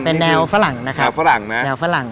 เป็นแนวฝรั่งนะครับ